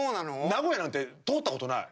名古屋なんて通ったことない。